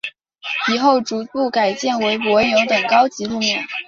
以后逐步改建为柏油等高级路面。